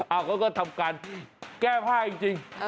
เขาก็ทำการแก้ผ้าจริง